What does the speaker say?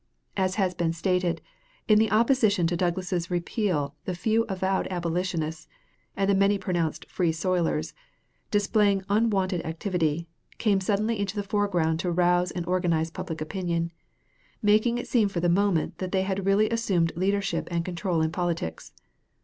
As has been stated, in the opposition to Douglas's repeal the few avowed abolitionists and the many pronounced Free soilers, displaying unwonted activity, came suddenly into the foreground to rouse and organize public opinion, making it seem for the moment that they had really assumed leadership and control in politics.